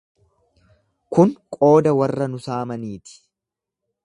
Kun qooda warra nu saamaniiti.